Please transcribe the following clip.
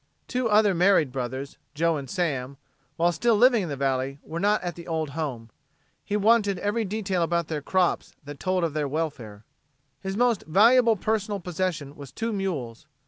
Two other married brothers, Joe and Sam, while still living in the valley, were not at the old home. He wanted every detail about their crops that told of their welfare. His most valuable personal possession was two mules.